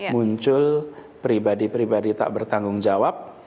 muncul pribadi pribadi tak bertanggung jawab